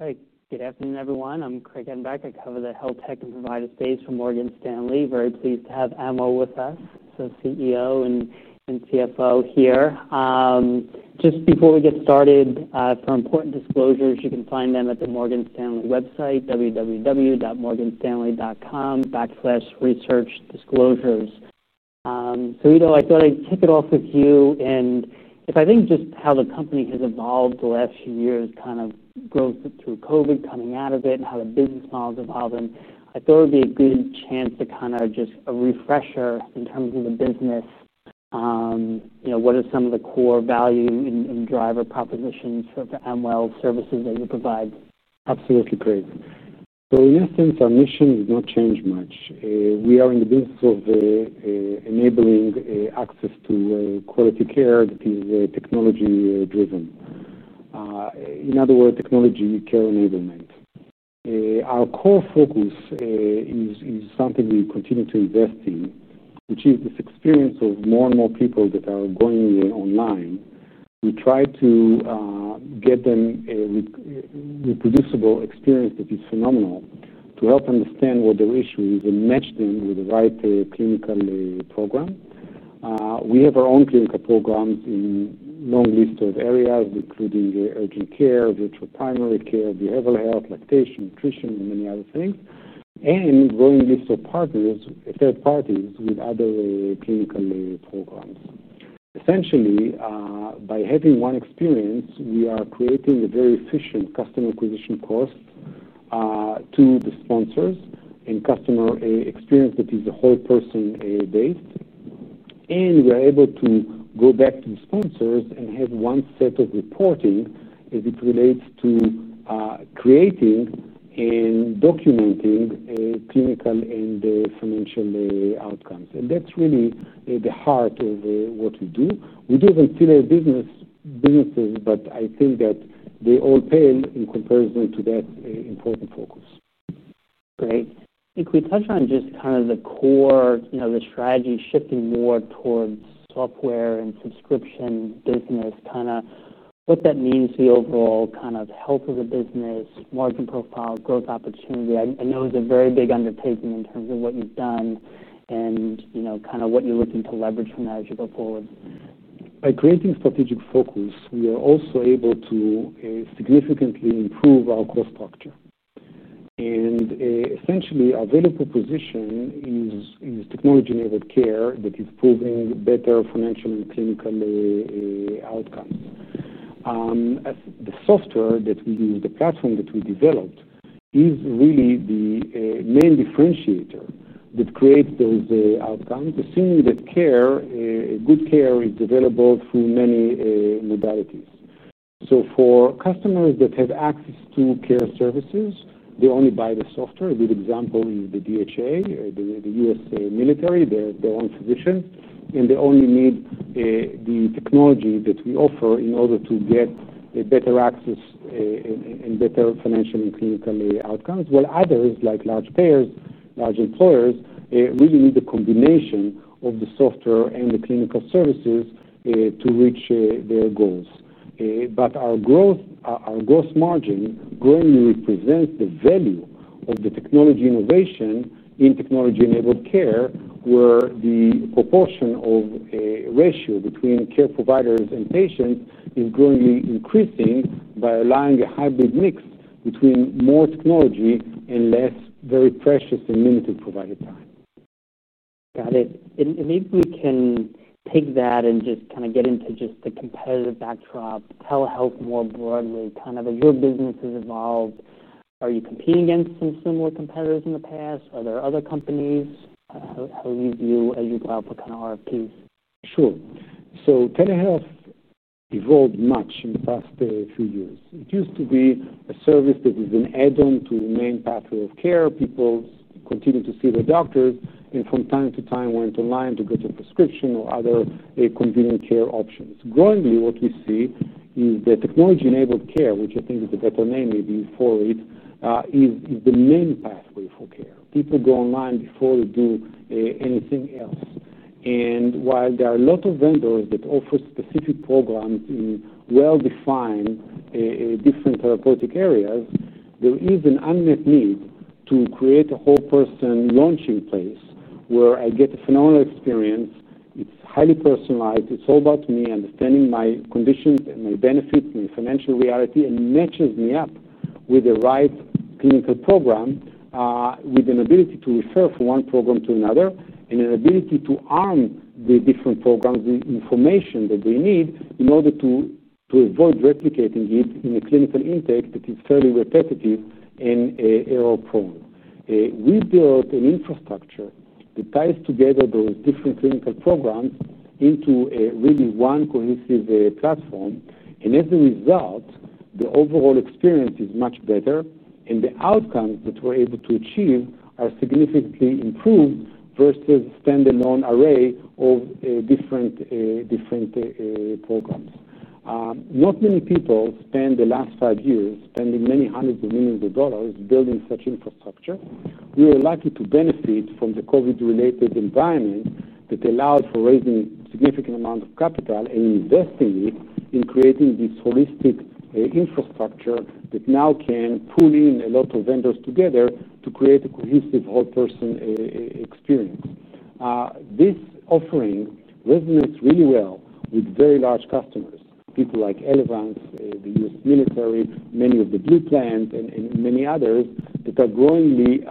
Hey, good afternoon, everyone. I'm Craig Hettenbach. I cover the health tech and provider space for Morgan Stanley. Very pleased to have Amwell with us, so CEO and CFO here. Just before we get started, for important disclosures, you can find them at the Morgan Stanley website, www.morganstanley.com/research/disclosures. I thought I'd kick it off with you. If I think just how the company has evolved the last few years, kind of growth through COVID, coming out of it, and how the business model's evolving, I thought it would be a good chance to kind of just a refresher in terms of the business. You know, what are some of the core value and driver propositions for Amwell's services that you provide? Absolutely, Craig. Yes, the information did not change much. We are in the business of enabling access to quality care that is technology-driven. In other words, technology care enablement. Our core focus is something we continue to invest in, which is this experience of more and more people that are going online. We try to get them a reproducible experience that is phenomenal to help understand what their issue is and match them with the right clinical program. We have our own clinical programs in a long list of areas, including urgent care, virtual primary care, behavioral health, lactation, nutrition, and many other things, and a growing list of partners, third parties with other clinical programs. Essentially, by having one experience, we are creating a very efficient customer acquisition cost to the sponsors and customer experience that is a whole person-based. We are able to go back to the sponsors and have one set of reporting as it relates to creating and documenting clinical and financial outcomes. That's really the heart of what we do. We do have a similar business, but I think that they all pale in comparison to that important focus. Okay. If we touch on just kind of the core, you know, the strategy shifting more towards software and subscription business, what that means to the overall health of the business, marketing profile, growth opportunity. I know it's a very big undertaking in terms of what you've done and what you're looking to leverage from that. By creating a strategic focus, we are also able to significantly improve our growth structure. Essentially, our value proposition is in technology-enabled care that is proving better financial and clinical outcomes. The software that we use, the platform that we developed, is really the main differentiator that creates those outcomes, assuming that good care is available through many modalities. For customers that have access to care services, they only buy the software. A good example is the Defense Health Agency, the U.S. military, their own physician, and they only need the technology that we offer in order to get better access and better financial and clinical outcomes. Others, like large payers, large employers, really need the combination of the software and the clinical services to reach their goals. Our gross margin growingly represents the value of the technology innovation in technology-enabled care, where the proportion of ratio between care providers and patients is growingly increasing by allowing a hybrid mix between more technology and less very precious and limited provider time. Got it. Maybe we can take that and just kind of get into the competitive backdrop, telehealth more broadly. Your business has evolved. Are you competing against some similar competitors in the past? Are there other companies? How do you view as you go out for RFPs? Sure. Telehealth evolved much in the past few years. It used to be a service that is an add-on to the main pathway of care. People continue to see their doctors and from time to time went online to get a prescription or other convenient care options. Growingly, what we see is that technology-enabled care, which I think is a better name maybe for it, is the main pathway for care. People go online before they do anything else. While there are a lot of vendors that offer specific programs in well-defined different therapeutic areas, there is an unmet need to create a whole person launching place where I get a phenomenal experience. It's highly personalized. It's all about me understanding my condition and my benefit and financial reality, and it matches me up with the right clinical program, with an ability to refer from one program to another and an ability to arm the different programs with information that they need in order to avoid replicating it in a clinical intake that is fairly repetitive and error-prone. We built an infrastructure that ties together those different clinical programs into really one cohesive platform. As a result, the overall experience is much better, and the outcomes that we're able to achieve are significantly improved versus a standalone array of different programs. Not many people spend the last five years spending many hundreds of millions of dollars building such infrastructure. We were lucky to benefit from the COVID-related environment that allowed for raising a significant amount of capital and investing it in creating this holistic infrastructure that now can pull in a lot of vendors together to create a cohesive whole person experience. This offering resonates really well with very large customers, people like Elevance, the U.S. military, many of the Blue Plan, and many others that are growingly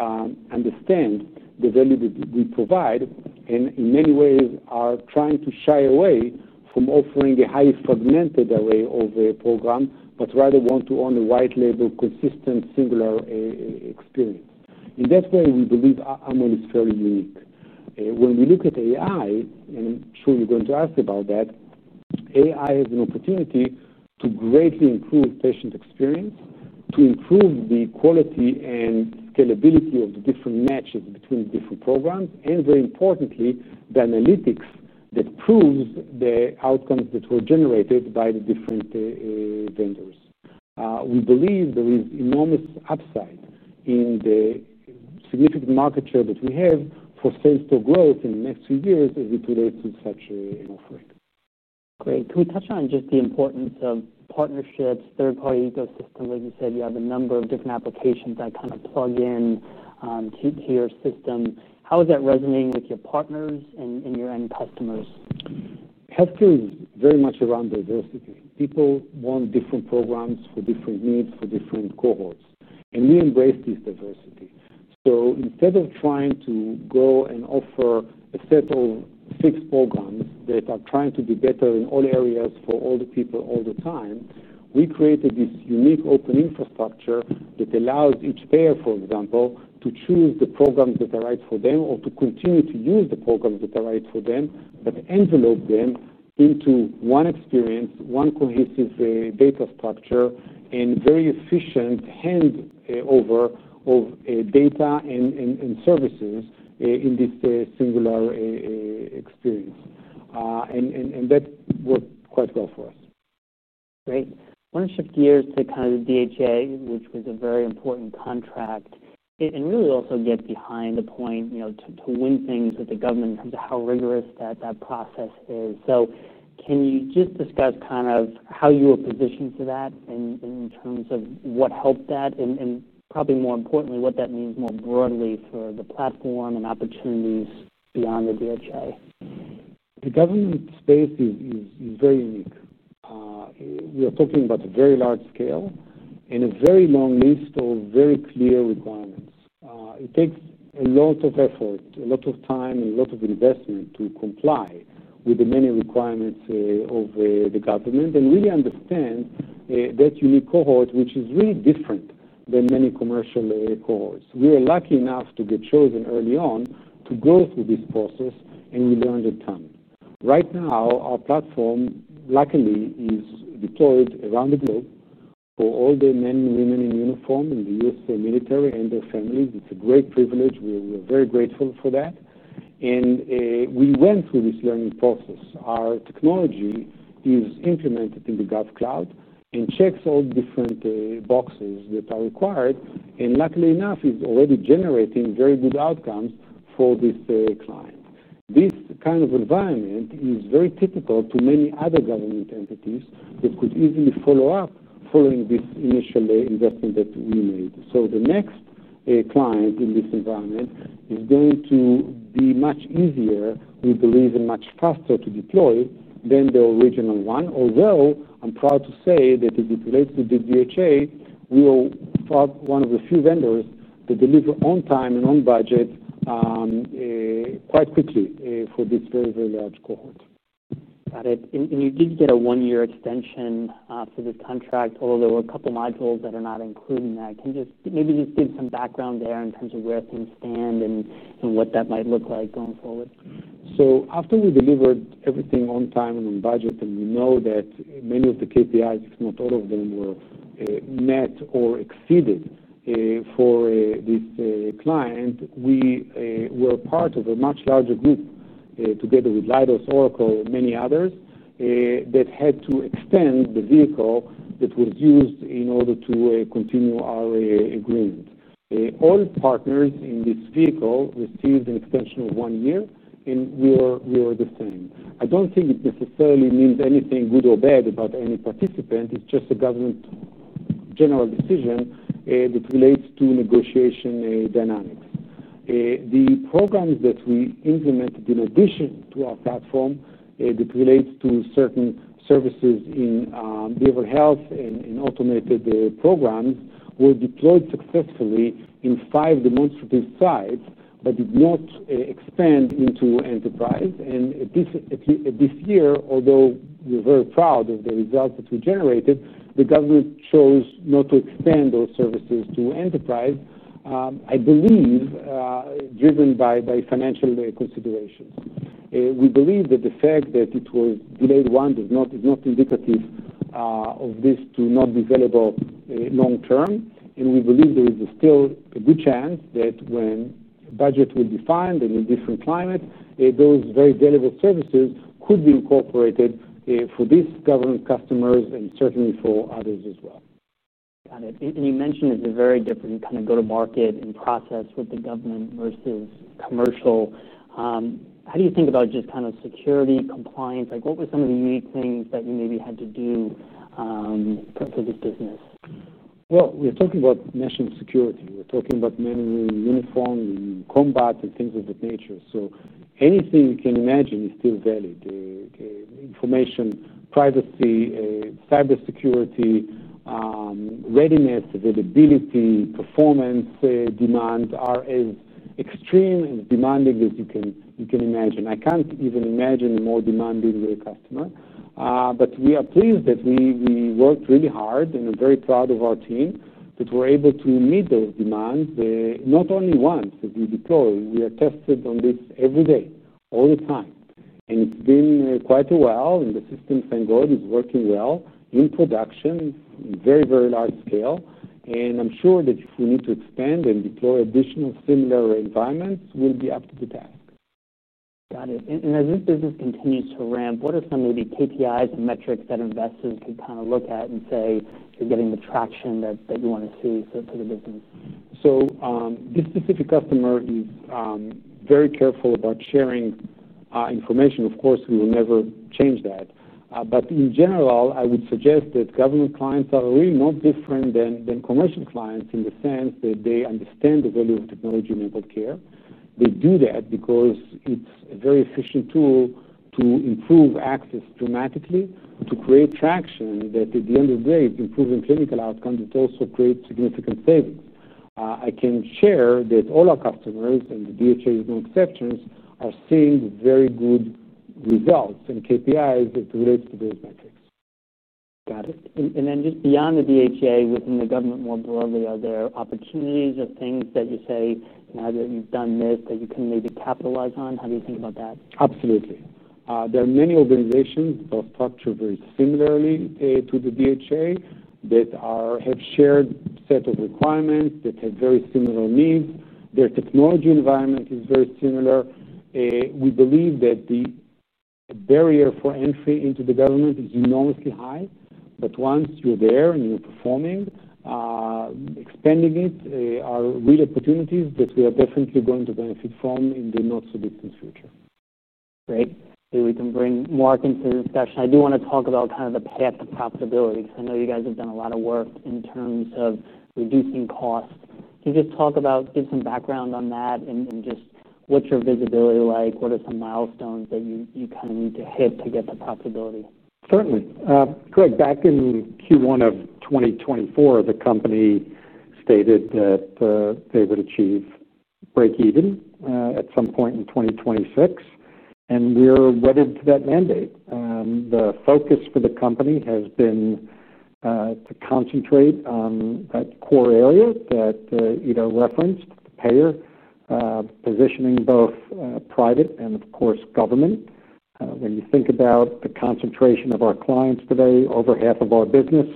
understand the value that we provide and in many ways are trying to shy away from offering a highly fragmented array of a program, but rather want to own a white label, consistent, singular experience. In that way, I believe Amwell is very unique. When we look at AI, and I'm sure you're going to ask about that, AI is an opportunity to greatly improve patient experience, to improve the quality and scalability of the different matches between the different programs, and very importantly, the analytics that proves the outcomes that were generated by the different vendors. We believe there is enormous upside in the significant market share that we have for same-store growth in the next few years as it relates to such an offering. Great. Can we touch on just the importance of partnerships, third-party ecosystems? Like you said, you have a number of different applications that kind of plug in to your system. How is that resonating with your partners and your end customers? Healthcare is very much around diversity. People want different programs for different needs, for different goals. We embrace this diversity. Instead of trying to go and offer a set of fixed programs that are trying to be better in all areas for all the people all the time, we created this unique open infrastructure that allows each payer, for example, to choose the programs that are right for them or to continue to use the programs that are right for them, but envelop them into one experience, one cohesive data structure, and very efficient handover of data and services in this singular experience. That worked quite well for us. Great. Want to shift gears to kind of the DHA, which was a very important contract and really also get behind the point, you know, to win things with the government in terms of how rigorous that process is. Can you just discuss kind of how you were positioned for that in terms of what helped that and probably more importantly, what that means more broadly for the platform and opportunities beyond the DHA? The government space is very unique. We are talking about a very large scale and a very long list of very clear requirements. It takes a lot of effort, a lot of time, and a lot of investment to comply with the many requirements of the government and really understand that unique cohort, which is really different than many commercial cohorts. We were lucky enough to get chosen early on to go through this process, and we learned a ton. Right now, our platform, luckily, is deployed around the globe for all the men and women in uniform in the U.S. military and their families. It's a great privilege. We are very grateful for that. We went through this learning process. Our technology is implemented in the GovCloud and checks all the different boxes that are required. Luckily enough, it's already generating very good outcomes for this client. This kind of environment is very typical to many other government entities that could easily follow up following this initial investment that we made. The next client in this environment is going to be much easier, we believe, and much faster to deploy than the original one. Although I'm proud to say that as it relates to the Defense Health Agency, we were one of the few vendors that delivered on time and on budget quite quickly for this very, very large cohort. Got it. You did get a one-year extension for the contract, although there were a couple of modules that are not included in that. Can you just maybe give some background there in terms of where things stand and what that might look like going forward? After we delivered everything on time and on budget, and we know that many of the KPIs, if not all of them, were met or exceeded for this client, we were part of a much larger group together with Leidos, Oracle, and many others that had to extend the vehicle that was used in order to continue our agreement. All partners in this vehicle received an extension of one year, and we were the same. I don't think it necessarily means anything good or bad about any participant. It's just a government general decision that relates to negotiation dynamics. The programs that we implemented in addition to our platform that relates to certain services in behavioral health and in automated programs were deployed successfully in five demonstrative sites but did not extend into enterprise. This year, although we're very proud of the results that we generated, the government chose not to extend those services to enterprise, I believe, driven by financial considerations. We believe that the fact that it was delayed is not indicative of this to not be available long term. We believe there is still a good chance that when budget will be found and in a different climate, those very valuable services could be incorporated for these government customers and certainly for others as well. Got it. You mentioned it's a very different kind of go-to-market and process with the government versus commercial. How do you think about just kind of security, compliance? What were some of the unique things that you maybe had to do for this business? We're talking about national security. We're talking about men in uniform, in combat, and things of that nature. Anything you can imagine is still valid. The information privacy, cybersecurity, readiness, availability, performance, demand are as extreme and demanding as you can imagine. I can't even imagine a more demanding customer. We are pleased that we worked really hard and are very proud of our team that were able to meet those demands, not only once that we deploy. We are tested on this every day, all the time. It's been quite a while, and the systems are good. It's working well in production, very, very large scale. I'm sure that if we need to expand and deploy additional similar environments, we'll be up to the task. Got it. As this business continues to ramp, what are some maybe KPIs and metrics that investors could kind of look at and say they're getting the traction that you want to see for the business? This specific customer is very careful about sharing information. Of course, we will never change that. In general, I would suggest that government clients are really not different than commercial clients in the sense that they understand the value of technology-enabled care. They do that because it's a very efficient tool to improve access dramatically, to create traction that, at the end of the day, improves clinical outcomes but also creates significant savings. I can share that all our customers, and the Defense Health Agency is no exception, are seeing very good results and KPIs that relate to those metrics. Got it. Just beyond the Defense Health Agency, within the government more broadly, are there opportunities or things that you say now that you've done this that you can maybe capitalize on? How do you think about that? Absolutely. There are many organizations that are structured very similarly to the DHA that have a shared set of requirements that have very similar needs. Their technology environment is very similar. We believe that the barrier for entry into the government is enormously high, but once you're there and you're performing, expanding it are real opportunities that we are definitely going to benefit from in the not-so-distant future. Great. We can bring more into the discussion. I do want to talk about kind of the path to profitability. I know you guys have done a lot of work in terms of reducing costs. Can you just talk about, give some background on that, and just what's your visibility like? What are some milestones that you kind of need to hit to get to profitability? Certainly. Craig, back in Q1 of 2024, the company stated that they would achieve break-even at some point in 2026, and we're wedded to that mandate. The focus for the company has been to concentrate on that core area that Ido referenced, payer, positioning both private and, of course, government. When you think about the concentration of our clients today, over half of our business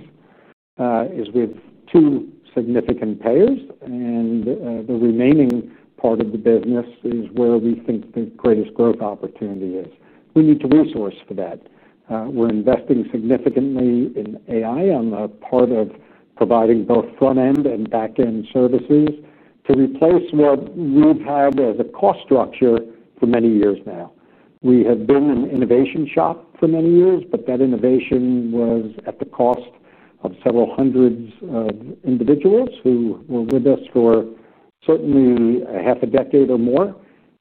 is with two significant payers, and the remaining part of the business is where we think the greatest growth opportunity is. We need to resource for that. We're investing significantly in AI on the part of providing both front-end and back-end services to replace what we've had as a cost structure for many years now. We have been an innovation shop for many years, but that innovation was at the cost of several hundreds of individuals who were with us for certainly half a decade or more.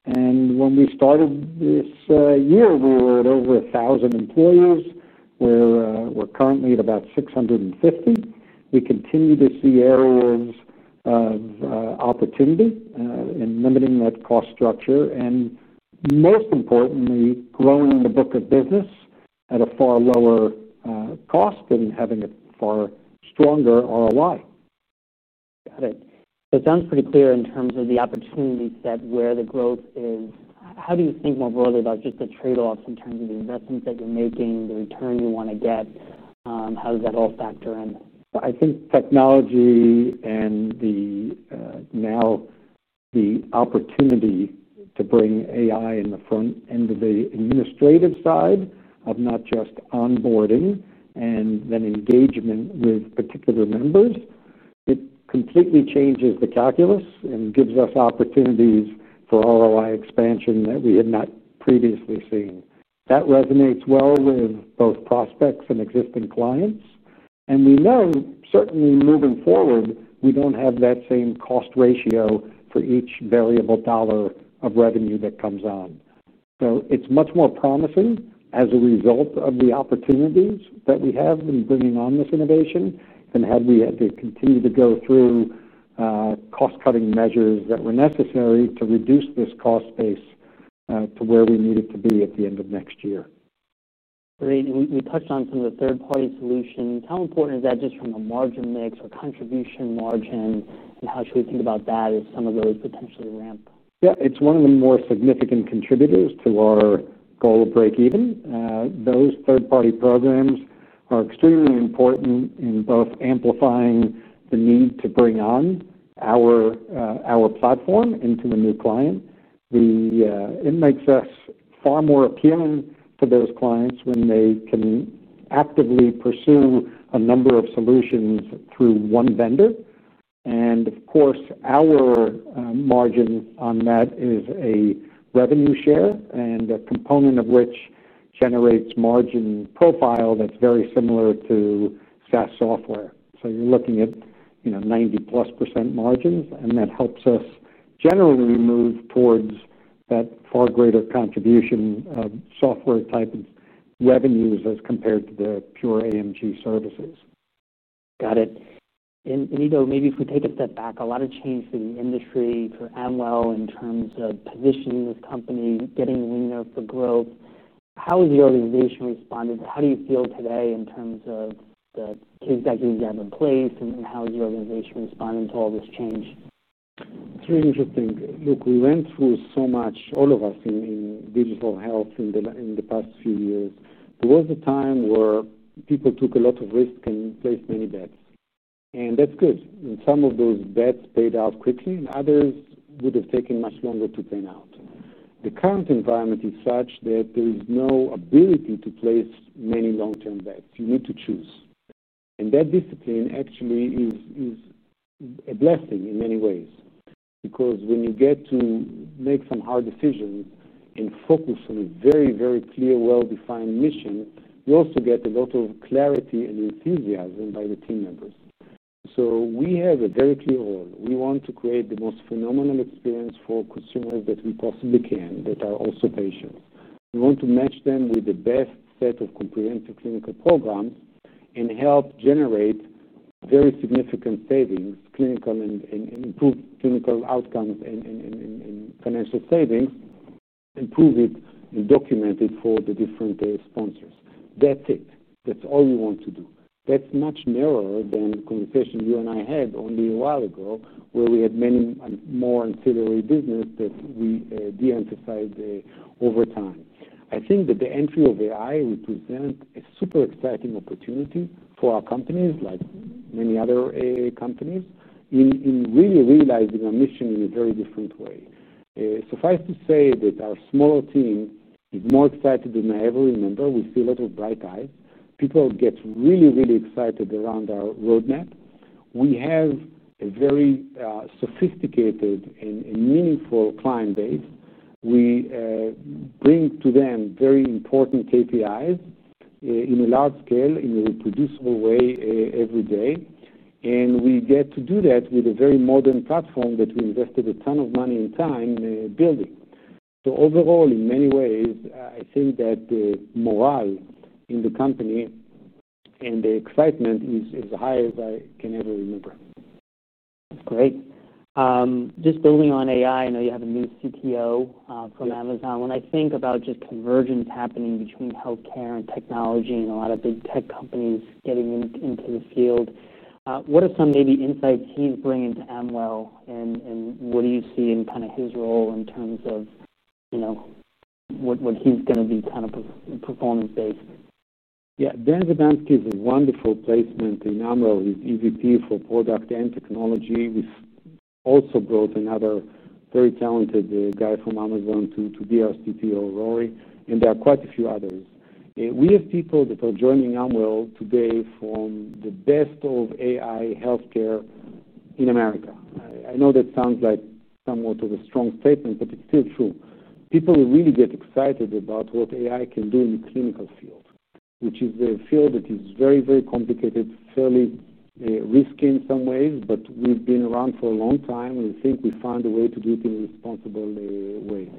When we started this year, we were at over 1,000 employees. We're currently at about 650. We continue to see areas of opportunity in limiting that cost structure and, most importantly, growing the book of business at a far lower cost and having a far stronger ROI. Got it. That sounds pretty clear in terms of the opportunities where the growth is. How do you think more broadly about just the trade-offs in terms of the investments that you're making, the return you want to get? How does that all factor in? I think technology and now the opportunity to bring artificial intelligence in the front end of the administrative side of not just onboarding and then engagement with particular members, it completely changes the calculus and gives us opportunities for ROI expansion that we had not previously seen. That resonates well with both prospects and existing clients. We know, certainly, moving forward, we don't have that same cost ratio for each variable dollar of revenue that comes on. It's much more promising as a result of the opportunities that we have in bringing on this innovation, and we had to continue to go through cost-cutting measures that were necessary to reduce this cost base to where we need it to be at the end of next year. Great. We touched on some of the third-party solutions. How important is that just from a margin mix or contribution margin? How should we think about that as some of those potentially ramp? Yeah, it's one of the more significant contributors to our goal of break-even. Those third-party programs are extremely important in both amplifying the need to bring on our platform into the new client. It makes us far more appealing to those clients when they can actively pursue a number of solutions through one vendor. Of course, our margin on that is a revenue share, a component of which generates a margin profile that's very similar to SaaS software. You're looking at, you know, 90+% margins, and that helps us generally move towards that far greater contribution of software type of revenues as compared to the pure AMG services. Got it. Ido, maybe if we take a step back, a lot of change for the industry, for Amwell in terms of positioning this company, getting the needle for growth. How has the organization responded? How do you feel today in terms of the kids that you have in place, and how has the organization responded to all this change? It's very interesting. Look, we went through so much, all of us in digital health in the past few years. There was a time where people took a lot of risk and placed many bets. That's good. Some of those bets paid out quickly, and others would have taken much longer to pan out. The current environment is such that there is no ability to place many long-term bets. You need to choose. That discipline actually is a blessing in many ways because when you get to make some hard decisions and focus on a very, very clear, well-defined mission, you also get a lot of clarity and enthusiasm by the team members. We have a very clear role. We want to create the most phenomenal experience for consumers that we possibly can that are also patients. We want to match them with the best set of comprehensive clinical programs and help generate very significant savings, clinical and improved clinical outcomes and financial savings, improve it, and document it for the different sponsors. That's it. That's all we want to do. That's much narrower than the conversation you and I had only a while ago, where we had many more ancillary businesses that we de-emphasized over time. I think that the entry of artificial intelligence represents a super exciting opportunity for our companies, like many other companies, in really realizing our mission in a very different way. Suffice to say that our smaller team is more excited than I ever remember. We see a lot of bright eyes. People get really, really excited around our roadmap. We have a very sophisticated and meaningful client base. We bring to them very important KPIs in a large scale, in a reproducible way every day. We get to do that with a very modern platform that we invested a ton of money and time in building. Overall, in many ways, I think that the morale in the company and the excitement is as high as I can ever remember. Great. Just building on AI, I know you have a new CTO from Amazon. When I think about just convergence happening between healthcare and technology and a lot of big tech companies getting into the field, what are some maybe insights he's bringing to Amwell? What do you see in kind of his role in terms of, you know, what he's going to be kind of performance-based? Yeah, Dan Zadanski is a wonderful placement in Amwell. He's EVP for Product and Technology. He's also brought another very talented guy from Amazon to be our CTO, Roy Schoenberg, and there are quite a few others. We have people that are joining Amwell today from the best of AI healthcare in America. I know that sounds like somewhat of a strong statement, but it's still true. People really get excited about what AI can do in the clinical field, which is a field that is very, very complicated, fairly risky in some ways, but we've been around for a long time, and I think we found a way to do it in a responsible way.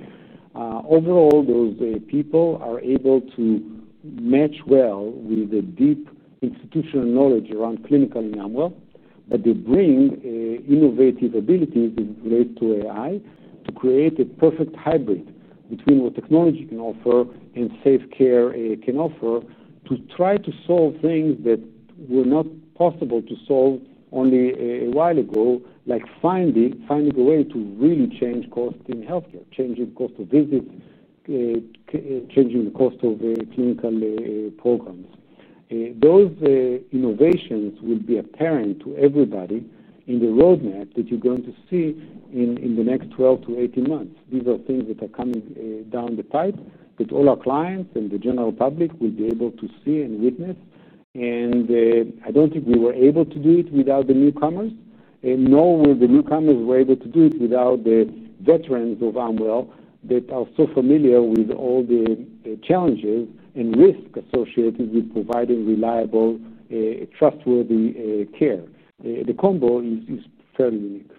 Overall, those people are able to match well with a deep institutional knowledge around clinical in Amwell, but they bring innovative abilities that relate to AI to create a perfect hybrid between what technology can offer and safe care can offer to try to solve things that were not possible to solve only a while ago, like finding a way to really change cost in healthcare, changing cost of visits, changing the cost of clinical programs. Those innovations will be apparent to everybody in the roadmap that you're going to see in the next 12 to 18 months. These are things that are coming down the pipe that all our clients and the general public will be able to see and witness. I don't think we were able to do it without the newcomers. Nor were the newcomers able to do it without the veterans of Amwell that are so familiar with all the challenges and risks associated with providing reliable, trustworthy care. The combo is fairly unique.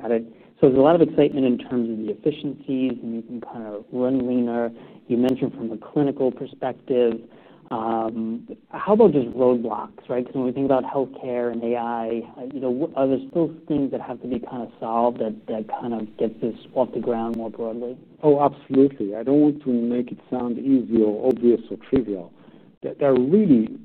Got it. There is a lot of excitement in terms of the efficiencies and making kind of run leaner. You mentioned from a clinical perspective. How about just roadblocks, right? Because when we think about healthcare and AI, you know, are there still things that have to be kind of solved that kind of get this off the ground more broadly? Oh, absolutely. I don't want to make it sound easy or obvious or trivial. There are really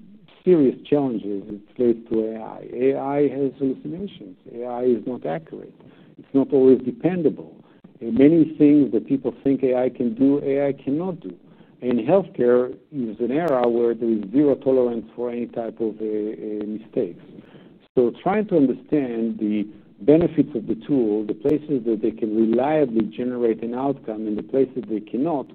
serious challenges that relate to AI. AI has limitations. AI is not accurate. It's not always dependable. Many things that people think AI can do, AI cannot do. Healthcare is an era where there is zero tolerance for any type of mistakes. Trying to understand the benefits of the tool, the places that they can reliably generate an outcome, and the places they cannot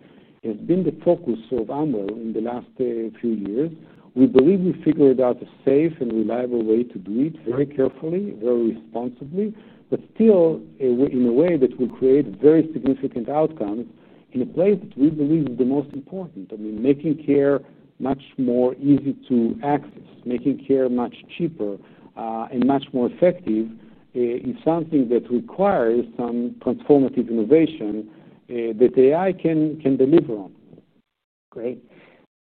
has been the focus of Amwell in the last few years. We believe we figured out a safe and reliable way to do it very carefully, very responsibly, but still in a way that will create very significant outcomes in a place that we believe is the most important. I mean, making care much more easy to access, making care much cheaper, and much more effective is something that requires some transformative innovation that AI can deliver on. Great.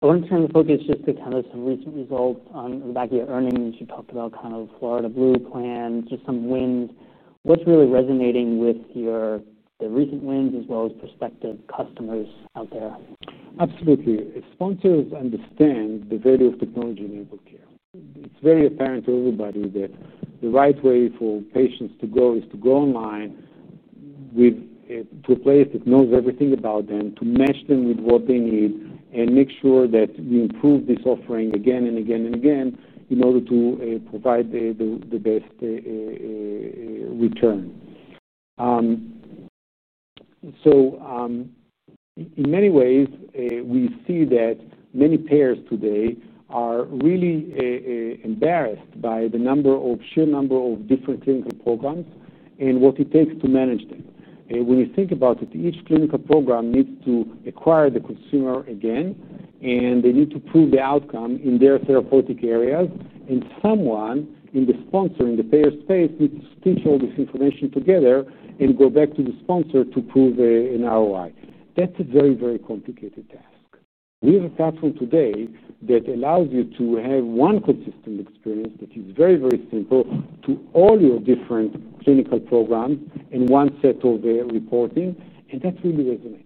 I want to turn the focus just to kind of some recent results on the back of your earnings. You talked about kind of Florida Blue Plan, just some wins. What's really resonating with your recent wins as well as prospective customers out there? Absolutely. Sponsors understand the value of technology-enabled care. It's very apparent to everybody that the right way for patients to go is to go online with a place that knows everything about them, to match them with what they need, and make sure that we improve this offering again and again and again in order to provide the best return. In many ways, we see that many payers today are really embarrassed by the sheer number of different clinical programs and what it takes to manage them. When you think about it, each clinical program needs to acquire the consumer again, and they need to prove the outcome in their therapeutic areas, and someone in the sponsor and the payer space needs to stitch all this information together and go back to the sponsor to prove an ROI. That's a very, very complicated task. We have a platform today that allows you to have one consistent experience that is very, very simple to all your different clinical programs and one set of reporting, and that really resonates.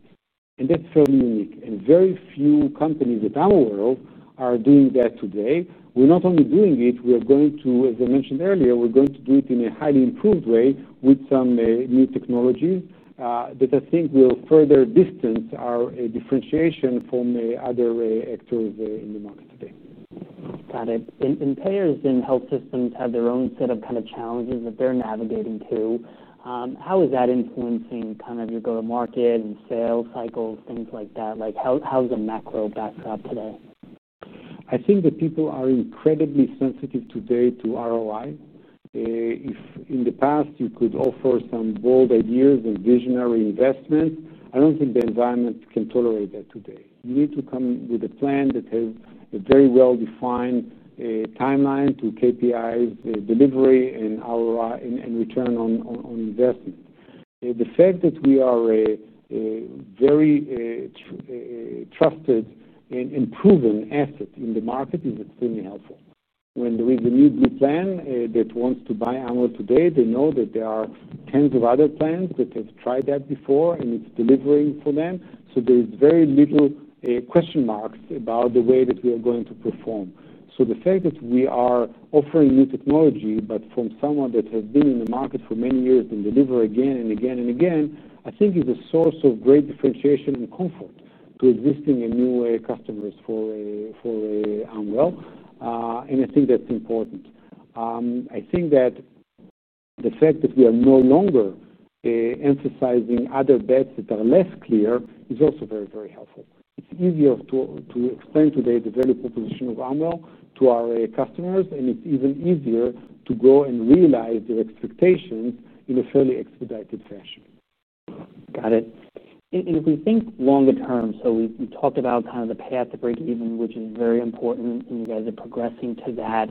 That's fairly unique. Very few companies that I'm aware of are doing that today. We're not only doing it, we are going to, as I mentioned earlier, we're going to do it in a highly improved way with some new technologies that I think will further distance our differentiation from other actors in the market today. Got it. Payers in health systems have their own set of kind of challenges that they're navigating too. How is that influencing kind of your go-to-market and sales cycles, things like that? How's the macro backdrop today? I think that people are incredibly sensitive today to ROI. If in the past you could offer some bold ideas and visionary investments, I don't think the environment can tolerate that today. You need to come with a plan that has a very well-defined timeline to KPIs, delivery, and ROI, and return on investment. The fact that we are a very trusted and proven asset in the market is extremely helpful. When there is a new Blue Plan that wants to buy Amwell today, they know that there are tens of other plans that have tried that before, and it's delivering for them. There's very little question marks about the way that we are going to perform. The fact that we are offering new technology, but from someone that has been in the market for many years and deliver again and again and again, I think is a source of great differentiation and comfort to existing and new customers for Amwell. I think that's important. The fact that we are no longer emphasizing other bets that are less clear is also very, very helpful. It's easier to explain today the value proposition of Amwell to our customers, and it's even easier to go and realize their expectations in a fairly expedited fashion. Got it. If we think longer term, we talked about kind of the path to break-even, which is very important, and you guys are progressing to that.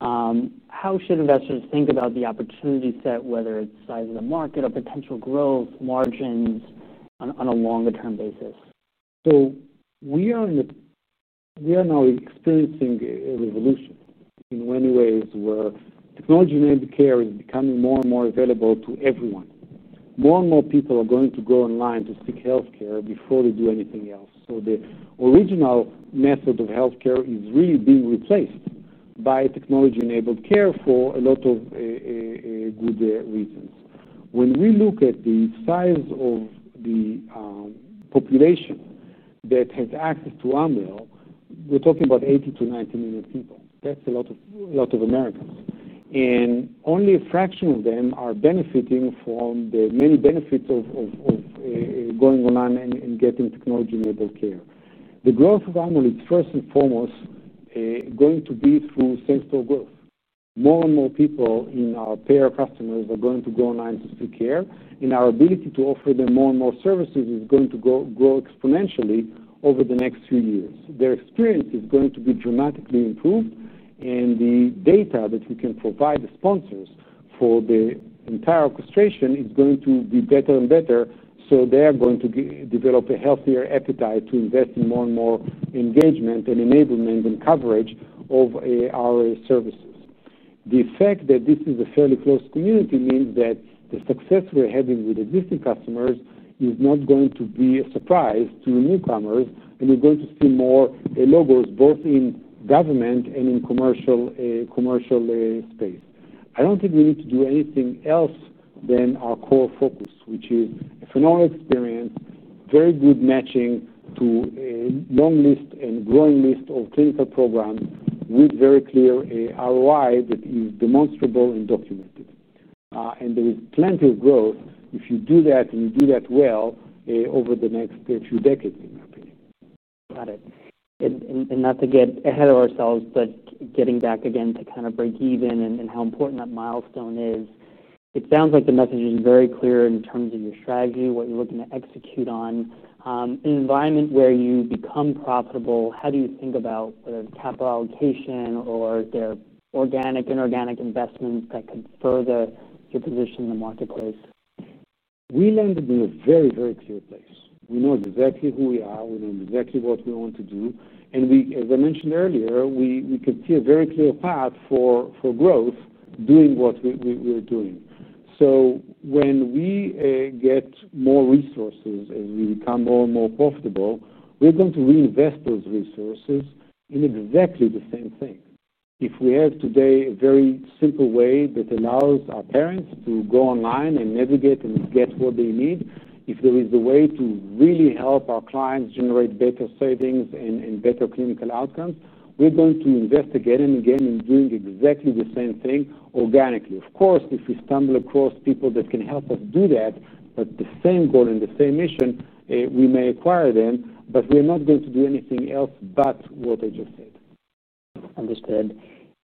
How should investors think about the opportunity set, whether it's size of the market or potential growth, margins on a longer-term basis? We are now experiencing a revolution in many ways where technology-enabled care is becoming more and more available to everyone. More and more people are going to go online to seek healthcare before they do anything else. The original method of healthcare is really being replaced by technology-enabled care for a lot of good reasons. When we look at the size of the population that has access to Amwell, we're talking about 80 to 90 million people. That's a lot of Americans. Only a fraction of them are benefiting from the many benefits of going online and getting technology-enabled care. The growth of Amwell is first and foremost going to be through self-stored growth. More and more people in our payer customers are going to go online to seek care, and our ability to offer them more and more services is going to grow exponentially over the next few years. Their experience is going to be dramatically improved, and the data that we can provide the sponsors for the entire orchestration is going to be better and better. They are going to develop a healthier appetite to invest in more and more engagement and enablement and coverage of our services. The fact that this is a fairly close community means that the success we're having with existing customers is not going to be a surprise to newcomers, and you're going to see more logos both in government and in commercial space. I don't think we need to do anything else than our core focus, which is a phenomenal experience, very good matching to a long list and growing list of clinical programs with very clear ROI that is demonstrable and documented. There is plenty of growth if you do that and you do that well over the next few decades, in my opinion. Got it. Not to get ahead of ourselves, but getting back again to kind of break even and how important that milestone is, it sounds like the message is very clear in terms of your strategy, what you're looking to execute on. In an environment where you become profitable, how do you think about whether capital allocation or their organic, inorganic investments that could further your position in the marketplace? We landed in a very, very clear place. We know exactly who we are. We know exactly what we want to do. As I mentioned earlier, we could see a very clear path for growth doing what we're doing. When we get more resources and we become more and more profitable, we're going to reinvest those resources in exactly the same thing. If we have today a very simple way that allows our parents to go online and navigate and get what they need, if there is a way to really help our clients generate better savings and better clinical outcomes, we're going to invest again and again in doing exactly the same thing organically. Of course, if we stumble across people that can help us do that, with the same goal and the same mission, we may acquire them, but we are not going to do anything else but what I just said. Understood.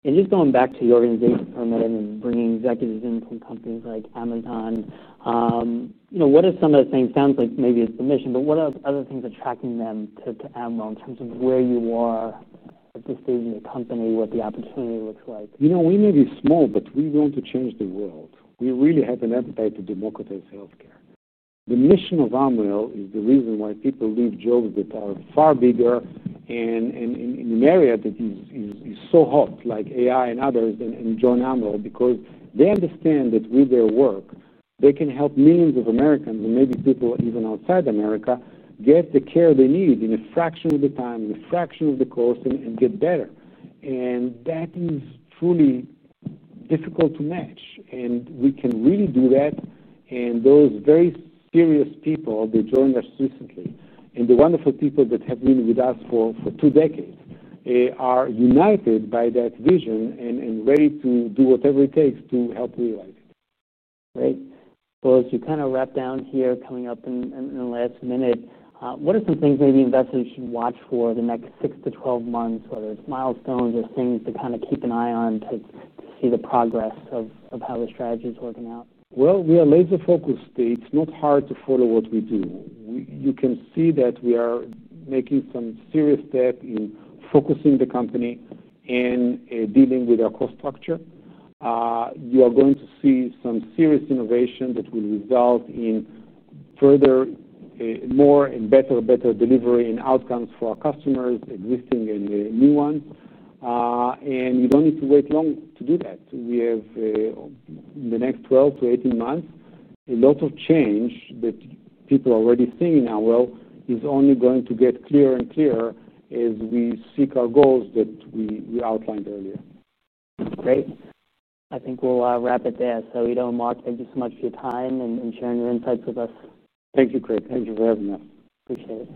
Just going back to your organization, and bringing executives in from companies like Amazon, what are some of the things, sounds like maybe it's the mission, but what are other things attracting them to Amwell in terms of where you are at this stage of the company, what the opportunity looks like? We may be small, but we want to change the world. We really have an appetite to democratize healthcare. The mission of Amwell is the reason why people leave jobs that are far bigger and in an area that is so hot like AI and others and join Amwell because they understand that with their work, they can help millions of Americans and maybe people even outside America get the care they need in a fraction of the time, in a fraction of the cost, and get better. That is truly difficult to match. We can really do that. Those very serious people joined us recently. The wonderful people that have been with us for two decades are united by that vision and ready to do whatever it takes to help realize it. Great. As you kind of wrap down here coming up in the last minute, what are some things maybe investors should watch for the next 6 to 12 months, whether it's milestones or things to kind of keep an eye on to see the progress of how the strategy is working out? We are laser-focused. It's not hard to follow what we do. You can see that we are making some serious steps in focusing the company and dealing with our cost structure. You are going to see some serious innovation that will result in further, more and better delivery and outcomes for our customers, existing and new ones. We don't need to wait long to do that. We have, in the next 12 to 18 months, a lot of change that people are already seeing in Amwell is only going to get clearer and clearer as we seek our goals that we outlined earlier. Great. I think we'll wrap it there. Ido, Mark, thank you so much for your time and sharing your insights with us. Thank you, Craig. Thank you for having me. Appreciate it.